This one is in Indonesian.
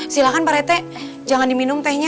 silahkan pak rete jangan diminum tehnya